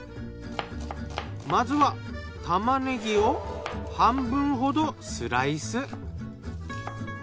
まずは玉ねぎを半分ほどスライス。